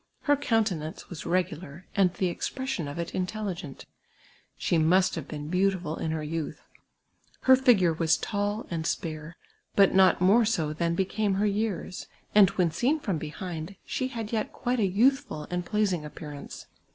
Her countenance was regular, and the expression of it intelligent ; she must have been beautiful in her youth. Her figure was tall and spare, but not more so than became her years, and when seen from behind, she had yet quite a youthful and pleas ing appearance.